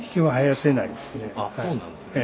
あそうなんですね。